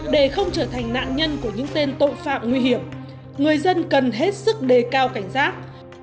để không trở thành nạn nhân của những tên tội phạm nguy hiểm người dân cần hết sức đề cao cảnh giác